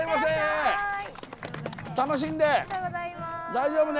大丈夫ね。